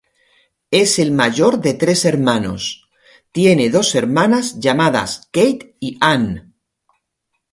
Es el mayor de tres hermanos, tiene dos hermanas llamadas Kate y Anne.